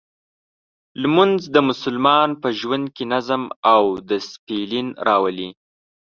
لمونځ د مسلمان په ژوند کې نظم او دسپلین راولي.